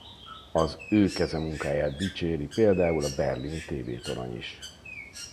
Az ő keze munkáját dicséri például a berlini tévétorony is.